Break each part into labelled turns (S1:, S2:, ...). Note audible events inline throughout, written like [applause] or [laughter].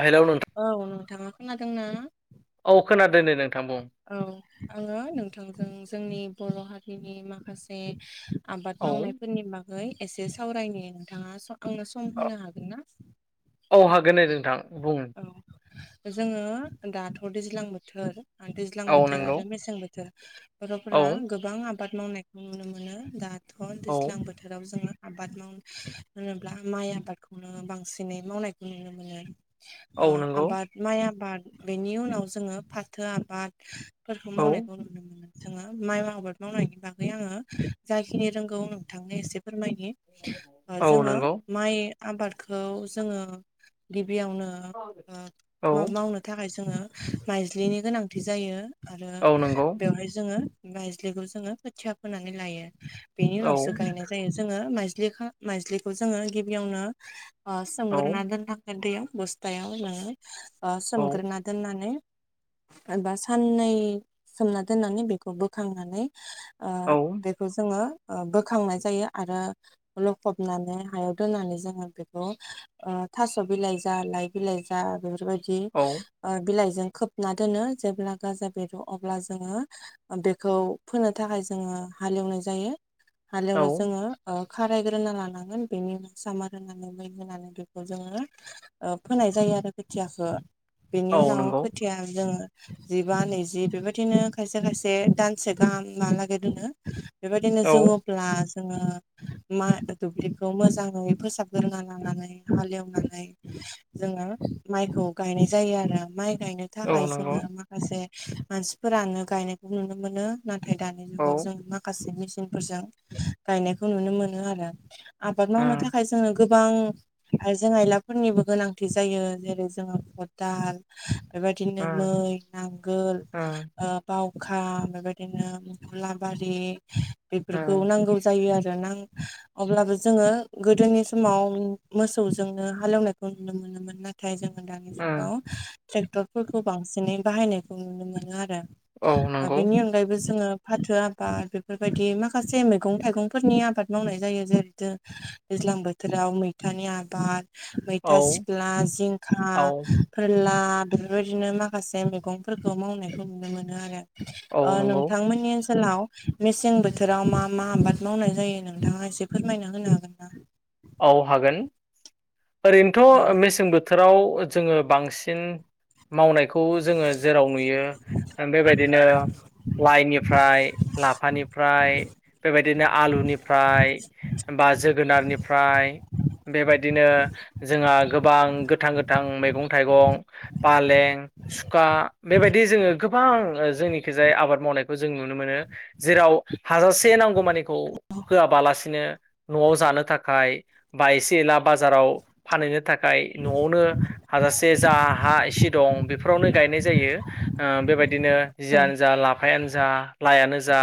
S1: Hello नोंथां।
S2: औ नोंथाङा खोनादों ना?
S1: औ खोनादों दे नोंथां बुं।
S2: औ आङो नोंथांजों जोंनि बर' हारिनि माखासे आबाद
S1: औ
S2: मावनायफोरनि बागै एसे सावरायनि नोंथाङा स आंनो स
S1: अ औ हागोनदे नोंथां बुं
S2: औ जोङो दाथ' दैज्लां बोथोर ओ दैज्लां
S1: औ
S2: बोथोर
S1: नंगौ
S2: आरो मेसें बो थोर
S1: औ
S2: बर'फोरा गोबां आबाद मावनायखौ नुनो मोनो दाथ'
S1: औ
S2: दैज्लां बोथोर बोथोराव जोङो आबाद माव होनोब्ला माइ आबादखौनो बांसिनै मावनायखौ नुनो मोनो। ओ
S1: औ नंगौ
S2: आबाद माइ आबाद बेनि उनाव जोङो फाथो आबाद फोरखौ
S1: औ
S2: मावनायखौ नुनो मोनो जोङो माइ आबाद मावनायनि बागै आङो जाखिनि रोंगौ नोंथांनो एसे फोरमायनि ओ
S1: औ
S2: जोङो
S1: नंगौ
S2: माइ आबादखौ जोङो गिबियावनो ओ
S1: औ
S2: मा मावनो थाखाय जोङो माइज्लिनि गोनांथि जायो आरो
S1: औ नंगौ
S2: बेवहाय जोङो मायज्लिखौ जोङो खोथिया फोनानै लायो बेनि
S1: औ
S2: उनावसो गायनाय जायो जोङो माइज्लिखो माइज्लिखौ जोङो गिबियावनो ओ
S1: औ
S2: सोमग्रोना दोननांगो ओ दैयाव बस्थायाव ओ
S1: औ
S2: सोमग्रोना दोननानै एबा साननै सोमना दोननानै बेखौ बोखांनानै ओ
S1: औ
S2: बेखौ जोङो ओ बोखांनाय जायो आरो लख'बनानै हायाव दोननानै जोङो बेखौ ओ थास' बिलाइ जा लाइ बिलाइ जा बेफोर बायदि
S1: औ
S2: ओ बिलाइजों खोब ना दोनो जेब्ला गाजा बेरो अब्ला जोङो ओ बेखौ फोनो थाखाय जोङो हालेवनाय जायो
S1: औ
S2: हालेवना जोङो ओ खारायग्रोना लानांगोन बेनि उनाव सामार होनानै मै होनानै बेखौ जोङो ओ फोनाय जायो आरो खोथियाखो बेनि
S1: औ
S2: उनाव
S1: नंगौ
S2: खोथिया जोङो जिबा नैजि बेबायदिनो खायसे खायसे दानसे गाहाम आलागै दोनो बेबायदिनो
S1: औ
S2: जोङो ब्ला जोङो मा दुब्लिखौ मोजाङै फोसाबग्रोना लानानै हाले एवनानै जोङो माइखौ गायनाय जायो आरो माइ गायनो
S1: औ
S2: थाखाय
S1: नंगौ
S2: जोङो माखासे मानसिफोरानो गायनायखौ नुनो मोनो नाथाय दानि
S1: औ
S2: जुगाव जों माखासे मेचिनफोरजों गायनायखौ नुनो मोनो आरो आबाद मावनो
S1: उम
S2: थाखाय जोङो गोबां आइजें-आयलाफोरनिबो गोनांथि जायो जेरै जोङो खदाल बिदिनो
S1: उम
S2: मै नांगोल
S1: उम
S2: ओ बावखा बेबायदिनो गुलाबारि बेफोरखौ
S1: उम
S2: नांगौ जायो आरो ना अब्लाबो जोङो गोदोनि समाव मोसौजोंनो हालेवनायखौ नुनो मोनोमोन आरो नाथाय जोङो दानि
S1: उम
S2: जुगाव ट्रेक्टरफोरखौ बांसिनै बाहायनायखौ नुनो मोनो आरो
S1: औ
S2: [inaudible] ओ
S1: नंगौ
S2: बेनि अनगायैबो जोङो फाथो आबाद बेफोरबायदि माखासे मैगं थाइगंफोरनि आबाद मावनाय जायो जेरैथो दैज्लां बोथोराव मैथानि आबाद
S1: औ
S2: मैथा सिख्ला जिंखा
S1: औ
S2: फोरला बेबायदिनो माखासे मैगंफोरखौ मावनायखौ नुनो मोनो आरो
S1: औ
S2: ओ
S1: नंगौ
S2: नोंथांमोननि ओनसोलाव मेसें बोथोराव मा मा आबाद मावनाय जायो नोंथाङा एसे फोरमायना होनो हागोन ना
S1: औ हागोन
S2: औ
S1: ओरैनोथ' मेसें बोथोराव जोङो बांसिन मावनायखौ जोङो जेराव नुयो बेबायदिनो लाइनिफ्राय लाफानिफ्राय बेबायदिनो आलुनिफ्राय बा जोगोनारनिफ्राय बेबायदिनो जोंहा गोबां गोथां गोथां मैगं थाइगं फालें सुखा बेबायदि जोङो गोबां जोंनिखि जाय आबाद मावनायखौ जों नुनो मोनो जेराव हाजासे नांगौ मानि होआबालासिनो न'आव जानो थाखाय बा एसे एला बाजाराव फानहैनो थाखाय न'आवनो हाजासे जा हा इसे दं बेफोरावनो गायनाय जायो ओ बेबायदिनो
S2: औ
S1: जियानो जा लाफायानो जा लाइआनो जा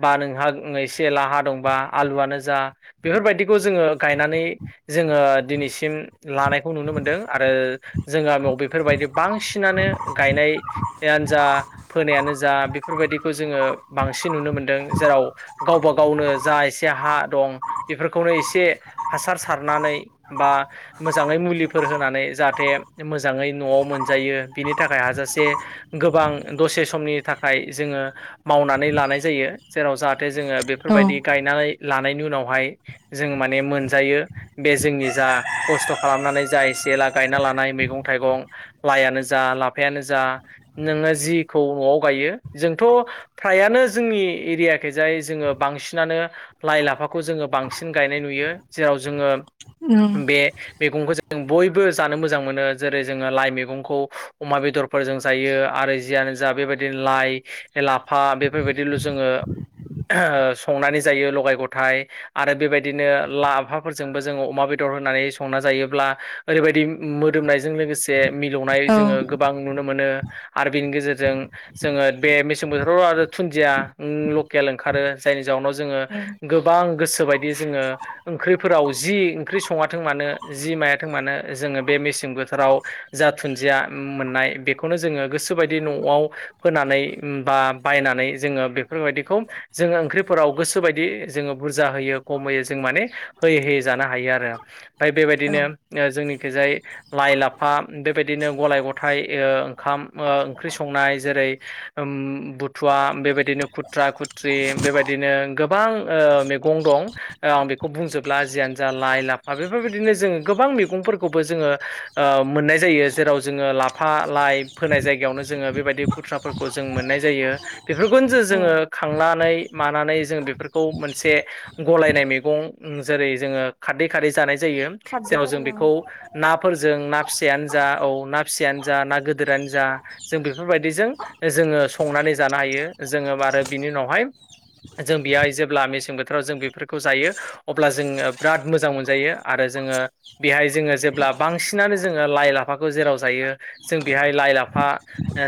S1: बा नोंहा एसे एला हा दंबा आलुआनो जा बेफोरबायदिखौ जोङो गायनानै जोङो दिनैसिम लानायखौ नुनो मोनदों आरो जों गामाव बेफोरबायदि बांसिनानो गायनाय यानो जा फोनायानो जा बेफोरबायदिखौ जोङो बांसिन नुनो मोनदों जेराव गावबा गावनो जा एसे हा दं बेफोरखौनो एसे हासार सारनानै बा मोजाङै मुलिफोर होनानै जाहाथे मोजाङै न'आव मोनजायो बिनि थाखाय हाजासे गोबां दसे समनि थाखाय जोङो मावनानै लानाय जायो जेराव जाहाथे जोङो बेफोरबायदि गायनानै लानायनि उनावहाय जों माने मोनजायो बे जोंनि जा खस्थ' खालामनानै जा एसे एला गायना लानाय मैगं थाइगं लाइआनो जा लाफायानो जा नोङो जिखौ न'आव गायो जोंथ' फ्रायानो जोंनि एरियाखै जाय जोङो बांसिनानो लाइ लाफाखौ जोङो बां सिन गायनाय नुयो जेराव जोङो
S2: उम
S1: बे मैगंखौ जा जों बयबो जानो मोजां मोनो जेरै जोङो लाइ मैगंखौ अमा बेदरफोरजों जायो आरो जियानो जा बेबायदिनो लाइ लाफा बेफोरबायदिल' जोङो संनानै जायो लगाय गथाय आरो बेबायदिनो लाफाफोरजोंबो जोङो अमा बेदर होनानै संना जायोब्ला ओरैबायदि मोदोमनायजों लोगोसे मिलौनाय
S2: औ
S1: जोङो
S2: उम
S1: गोबां नुनो मोनो आरो बेनि गेजेरजों जोङो बे मेसें बोथोराव आरो दुुनन्दिया उम लकेल ओंखारो जायनि जाउनाव जोङो गोबां गोसोबायदि जोङो ओंख्रिफोराव जि ओंख्रि सङाथों मानो जि मायाथों मानो जोङो बे मेसें बोथोराव जा थुनदिया मोननाय बेखौनो जोङो गोसोबायदि न'आव फोनानै बा बायनानै जोङो बेफोरबायदिखौ जोङो ओंख्रिफोराव गोसोबायदि जोङो बुरजा होयो खम होयो जों माने होयै होयै जानो हायो आरो ओमफ्राय
S2: औ
S1: बेबायदिनो ओ जोंनिखि जाय लाइ लाफा बेबायदिनो गलाय गथाय ओंखाम ओंख्रि संनाय जेरै बुथुवा बेबायदिनो खुथ्रा खुथ्रि बेबायदिनो गोबां मे गं दं आं बेखौ बुंजोबला जियानो जाा लाइ लाफा बेफोरबायदिनो जोंङो गोबां मैगंफोरखौबो जोंङो मोननाय जायो जेराव जोंङो लाफा लाइ फोनाय जायगायावनो जोंङो बेबायदि खुट्राफोरखौ जों मोननाय जायो बेफोरखौनो जो जोंङो खांनानै मानानै जों बेफोरखौ मोनसे गलायनाय मैगं जेरै जोंङो खारदै खारदै जानाय जायो जेराव जों बेखौ नाफोरजों ना फिसायानो जा औ ना फिसायानो जा ना गोदोरानो जा जों बेफोरबायदिजों जोंङो संनानै जानो हायो जोंङो आरो बिनि उनावहाय जों बेहाय जेब्ला मेसें बोथोर बेफोरखौ जों बेफोरखौ जायो अब्ला जोंङो बिराद मोजां मोनजायो आरो जोंङो बेहाय जोंङो जेब्ला बांसिनानो जोंङो लाइ लाफाखौ जेराव जायो जों बेहाय लाइ लाफा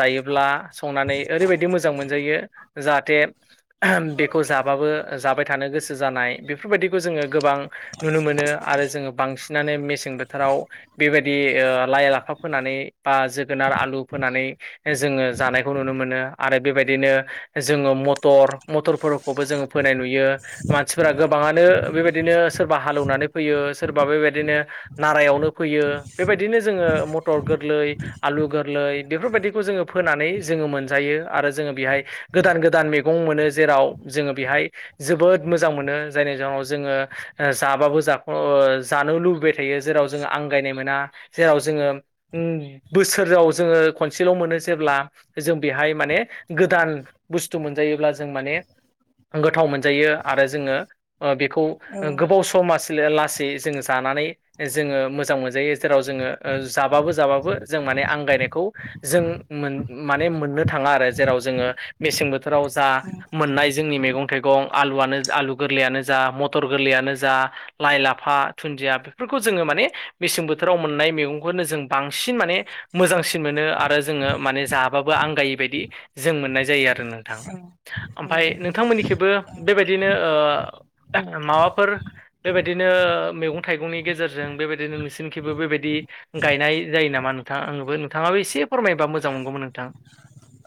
S1: जायोब्ला संनानै ओरैबायदि मोजां मोनजायो जाहाथे बेखौ जाबाबो जाबाय थानो गोसो जानाय बेफोरबायदिखौ जोंङो गोबां नुनो मोनो आरो जोंङो बांसिनानो मेसें बोथोराव बेबायदि ओ लाइ लाफा फोनानै बा जोगोनार आलु फोनानै जोङो जानायखौ नुनो मोनो आरो बेबायदिनो जोङो मटर मटरफोर खौबो जोंङो फोनाय नुयो मानसिफोरा गोबांङानो बेबायदिनो सोरबा हाल एवनानै फैयो सोरबा बेबायदिनो नारायावनो फैयो बेबायदिनो जोंङो मटर गोरलै आलु गोरलै बेफोरबायदिखौ जोंङो फोनानै जोंङो मोनजायो आरो जोंङो बेहाय गोदान गोदान मैगं मोनो जेराव जोंङो बेहाय जोबोद मोजां मोनो जायनि जाहनाव जोंङो जाबाबो जाख जानो लुबैबाय थायो जेराव जोंङो आंगायनाय मोना जेराव जोंङो बोसोराव जोंङो खनसेल' मोनो जेब्ला जों बेहाय माने गोदान बुस्थु मोनजायोब्ला जों माने गोथाव मोन जायो आरो जोंङो बेखौ
S2: औ
S1: गोबाव सम लासै जोंङो जानानै जोंङो मोजां मोनजायो जेराव जोंङो जाबाबो जाबाबो जों माने आंगायनायखौ जों माने मोननो थांङा आरो जेराव जोङो मेसें बोथोराव जा
S2: नंगौ
S1: मोननाय जोंनि मैगं थाइगं आलुआनो आलु गोरलैयानो जा मटर गोरलैयानो जा लाइ लाफा दुन्दिया बेफोरखौ जोंङो माने मेसें बोथोराव मोननाय मैगंखौनो जों बांसिन माने मोजांसिन मोनो आरो जोंङो माने जाबाबो आंगायि बायदि जों मोननाय जायो आरो नोंथां ओमफ्राय
S2: नंगौ
S1: नोंथांमोननिखबो
S2: औ
S1: बेबायदिनो माबाफोर बेबायदिनो मैगं थाइगंनि गेजेरजों बेबायदिनो नोंसिनि खिबो बेबायदि गायनाय जायो नामा नोंथां आंङोबो नोंथांङाबो एसे फोरमायोबा मोजां मोनगौमोन नोंथां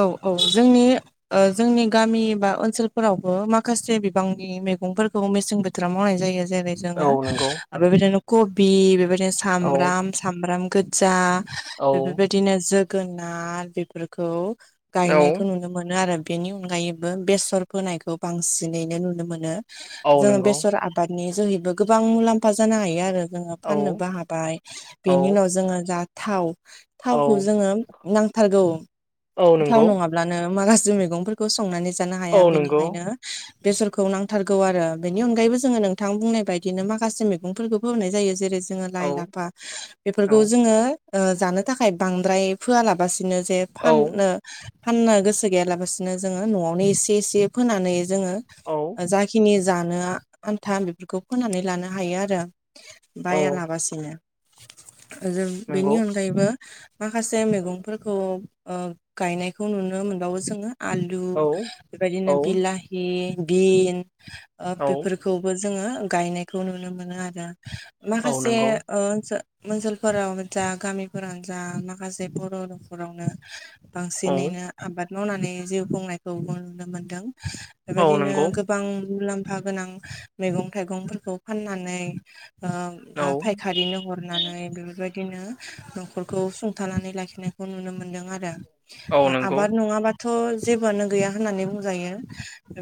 S2: औ-औ जोंनि जोंनि गामि बा ओनसोलफोरावबो माखासे बिबांनि मैगंफोरखौ मेसें बोथोराव मावनाय जायो जेरै जोंङो
S1: औ नंगौ
S2: बेबायदिनो कबि बेबायदिनो
S1: औ
S2: सामब्राम सामब्राम गो जा
S1: औ
S2: बेफोरबायदिनो जोगोनार बेफोरखौ
S1: औ
S2: गायनायखौ नुनो मोनो आरो बेनि अनगायैबो बेसर फोनायखौ बांसिनैनो नुनो मोनो
S1: औ
S2: जोंङो
S1: नंगौ
S2: बेसर आबादनि जोहैबो गोबां मुलाम्फा जानो हायो आरो जोंङो
S1: औ
S2: फाननोबो हाबाय बेनि
S1: औ
S2: उनाव जोंङो दा थाव थावखौ
S1: औ
S2: जोंङो नांथारगौ
S1: औ
S2: थाव
S1: नंगौ
S2: नंङाब्लानो माखासे मैगंफोरखौ संनानै जानो हाया
S1: औ नंगौ
S2: बेनिखायनो बेसरखौ नांथारगौ आरो बेनि अनगायैबो जोंङो नोंथां बुंनाय बायदिनो माखासे मैगंफोरखौबो होनाय जायो जेरै जोङो लाइ
S1: औ
S2: लाफा
S1: औ
S2: बेफोरखौ जोङो जानो थाखाय बांद्राय फोआलाबासिनो जे
S1: औ
S2: फाननो फाननो गोसो गैयालाबसिनो जोंङो न'आवनो एसे एसे फोनानै जोङो जाखिनि जानो आन्था बेफोरखौ फोनानै लानो हायो आरो
S1: औ
S2: बायालाबासिनो जों बेनि
S1: नंगौ
S2: अनगायैबो माखासे मैगंफोरखौ गायनायखौ नुनो मोनबावो जोङो आलु
S1: औ
S2: बेबायदिनो
S1: औ
S2: बिला हि बिनदि ओ
S1: औ
S2: बेफोर खौबो जोङो गायनायखौ नुनो मोनो आरो
S1: औ
S2: माखासे
S1: नंगौ
S2: ओन ओनसोलफोराव जा गामिफोरावनो जा माखासे बर' न'खरावनो
S1: औ
S2: बांसिनैनो आबाद मावनानै जिउ खुंनायखौ नुनो मोनदों
S1: औ
S2: बेबायदिनो
S1: नंगौ
S2: गो गोबां मुलाम्फा गोनां मैगं थाइगंफोरखौ फाननानै ओ
S1: औ
S2: फायखारिनो हरनानै बेफोरबायदिनो न'खरखौ सुंथानानै लाखिनायखौ नुनो मोनदों आरो
S1: औ नंगौ
S2: आबाद नङाबाथ' जेबोआनो गैया होननानै बुंजायो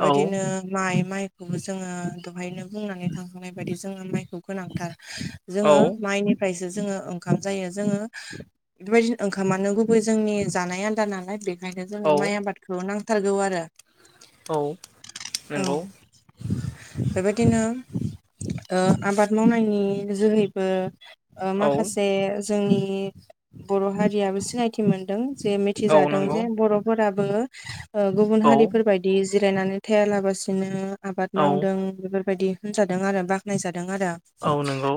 S1: औ
S2: माइ माइखौबो जोङो दहायनो बुंनानै थांखांनाय बायदि जोङो माइखौ गोनांथार जोङो
S1: औ
S2: माइनि फ्रायसो जोङो ओंखाम जायो जोङो बेबायदिनो ओंखामानो गुबै जोंनि जानाय आदार नालाय बेखायनो
S1: औ
S2: जोङो माइ आबादखौ नांथारगौ आरो
S1: औ
S2: औ
S1: नंगौ
S2: बेबायदिनो आबाद मावनायनि जोहैबो
S1: औ
S2: माखासे जोंनि बर' हारियाबो सिनायथि मोनदों जे
S1: औ
S2: मिथिजादों
S1: नंगौ
S2: जे बर'फोराबो गुबुन
S1: औ
S2: हारिफोर बायदि बिदि जिरायनानै थायालाबासिनो आबाद
S1: औ
S2: मावदों बेफोरबायदि होनजादों आरो बाखोनायजादों आरो
S1: औ नोंगौ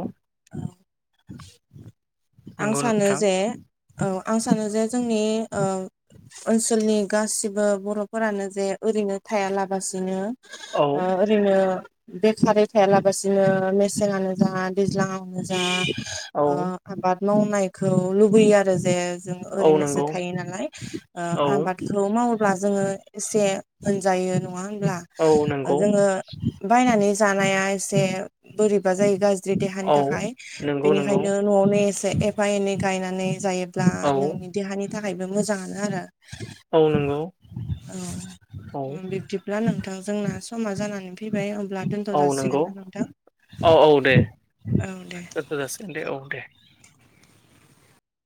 S2: आं
S1: नंगौ
S2: सानो
S1: नोंथां
S2: जे औ आं सानो जे जों नि ओ ओनसोलनि गासिबो बर'फोरानो जे ओरैनो थायालाबासिनो ओ
S1: औ
S2: ओरैनो बेखारै थायालाबसिनो मेसेङानो जा दैज्लाङानो जा
S1: औ
S2: ओ आबाद मावनायखौ लुबैयो आरो जे जों
S1: औ
S2: ओरैनोसो
S1: नंगौ
S2: थायो नालाय ओ
S1: औ
S2: आबादखौ मावोब्ला जोङो एसे होनजायो नङा होनब्ला
S1: औ नंगौ
S2: जोङो बायनानै जानाया एसे बोरैबा जायो गा़ ज्रि देहानि
S1: औ
S2: थाखाय
S1: नंगौ नंगौ
S2: बेनिखायनो न'आवनो एसे एफा एनै गायनानै जायो ब्ला
S1: औ
S2: नोंनि देहानि थाखायबो मोजाङानो आरो
S1: औ नंगौ
S2: औ बिब्दिब्ला नोंथां जोंना समा जानानै फैबाय होनब्ला दोनथ'
S1: औ नंगौ
S2: जासिगोन ना नोंथां औ दे
S1: ओस दोनथ जासिगोन दे औ दे